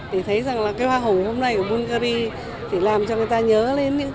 thì thấy rằng là cái hoa hồng hôm nay ở bvlgari thì làm cho người ta nhớ lên những cái